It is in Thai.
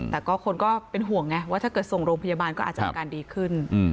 แต่คนก็เป็นห่วงไงว่าถ้าส่งโรงพยาบาลก็อาจจะดีขึ้น